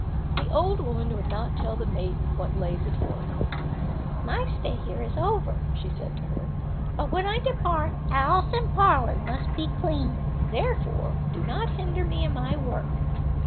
The old woman would not tell the maiden what lay before her. "My stay here is over," she said to her, "but when I depart, house and parlour must be clean: therefore do not hinder me in my work.